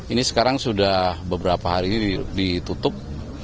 ini sekarang sudah beberapa hari ditutup